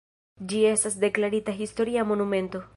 Ĝi estas deklarita historia monumento.